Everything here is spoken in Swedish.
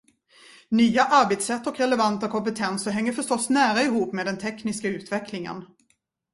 Nya arbetssätt och relevanta kompetenser hänger förstås nära ihop med den tekniska utvecklingen.